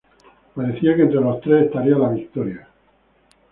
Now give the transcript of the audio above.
Parecía que entre los tres estaría la victoria.